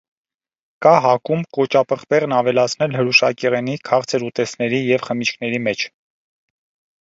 Կա հակում կոճապղպեղն ավելացնել հրուշակեղենի, քաղցր ուտեստների և խմիչքների մեջ։